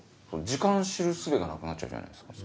時間知るすべがなくなっちゃうじゃないですか？